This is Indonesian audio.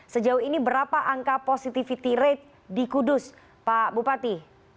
sejauh ini berapa angka positivity rate di kudus pak bupati